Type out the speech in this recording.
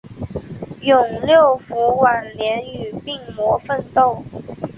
永六辅晚年与病魔奋斗。